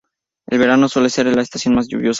El verano suele ser la estación más lluviosa.